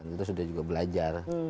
kita sudah juga belajar